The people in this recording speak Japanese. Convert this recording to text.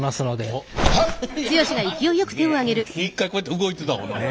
一回こうやって動いてたもんな。